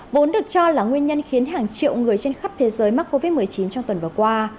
vốn được cho là nguyên nhân khiến hàng triệu người trên khắp thế giới mắc covid một mươi chín trong tuần vừa qua